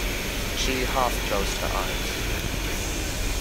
She half closed her eyes.